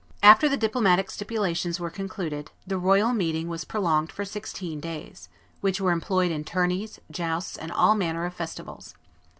After the diplomatic stipulations were concluded, the royal meeting was prolonged for sixteen days, which were employed in tourneys, jousts, and all manner of festivals.